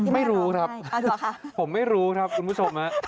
ไม่รู้ครับผมไม่รู้ครับคุณผู้ชม